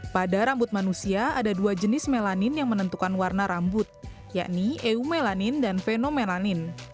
pada rambut manusia ada dua jenis melanin yang menentukan warna rambut yakni eumelanin dan fenomelanin